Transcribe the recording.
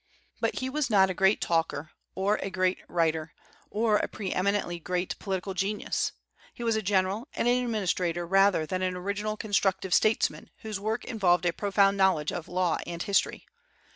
But he was not a great talker, or a great writer, or a pre eminently great political genius. He was a general and administrator rather than an original constructive statesman whose work involved a profound knowledge of law and history.